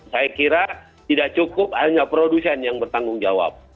saya kira tidak cukup hanya produsen yang bertanggung jawab